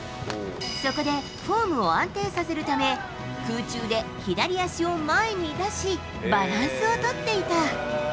そこでフォームを安定させるため、空中で左足を前に出し、バランスを取っていた。